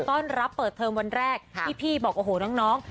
ต้อนรับเปิดเทอมวันแรกที่พี่บอกโอ้โหน้อง